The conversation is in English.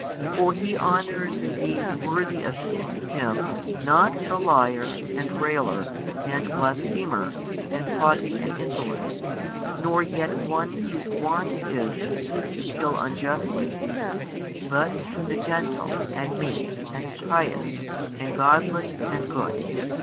For He honours and deems worthy of kin to Him not the liar and railer and blasphemer and haughty and insolent, nor yet one whose wont it is to seek to kill unjustly, but the gentle and meek and pious and godly and good.